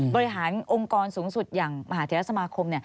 บริหารองค์กรสูงสุดอย่างมหาเทศสมาคม